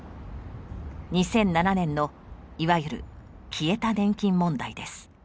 ２００７年のいわゆる消えた年金問題です。